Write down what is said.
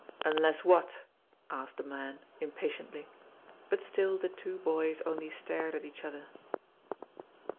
"Unless what?" asked the man, impatiently, but still the two boys only stared at each other.